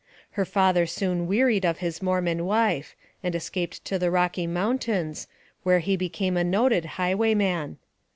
Her father soon wearied of his Mormon wife, and escaped to the Kocky Mountains, where he became a noted higwayman.